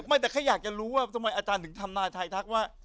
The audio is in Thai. ไม่แต่แค่อยากจะรู้ว่าทำไมอาจารย์ถึงทำนายไทยทักว่า